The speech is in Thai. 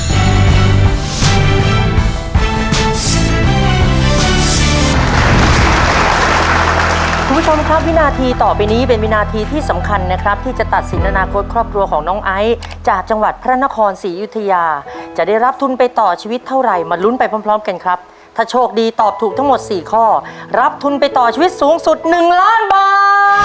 คุณผู้ชมครับวินาทีต่อไปนี้เป็นวินาทีที่สำคัญนะครับที่จะตัดสินอนาคตครอบครัวของน้องไอซ์จากจังหวัดพระนครศรีอยุธยาจะได้รับทุนไปต่อชีวิตเท่าไหร่มาลุ้นไปพร้อมพร้อมกันครับถ้าโชคดีตอบถูกทั้งหมดสี่ข้อรับทุนไปต่อชีวิตสูงสุดหนึ่งล้านบาท